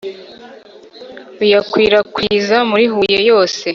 ruyakwirakwiza muri Huye yose